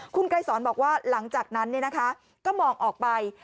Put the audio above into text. คุณไกรสอนบอกว่าหลังจากนั้นก็มองออกไป